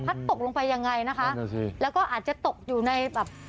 พัดตกลงไปยังไงนะคะแล้วก็อาจจะตกอยู่ในแบบ